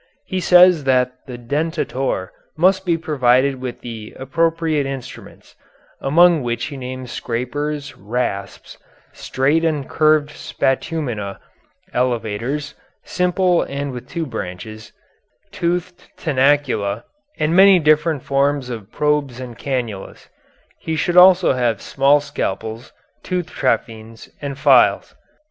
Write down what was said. He says that the dentator must be provided with the appropriate instruments, among which he names scrapers, rasps, straight and curved spatumina, elevators, simple and with two branches, toothed tenacula, and many different forms of probes and canulas. He should also have small scalpels, tooth trephines, and files.